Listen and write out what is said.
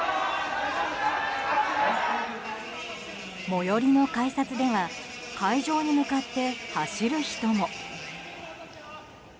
最寄りの改札では会場に向かって走る人も。